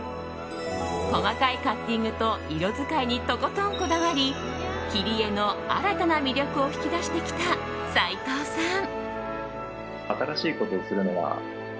細かいカッティングと色使いにとことんこだわり切り絵の新たな魅力を引き出してきた斉藤さん。